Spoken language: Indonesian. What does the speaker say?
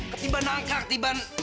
ketiban angka ketiban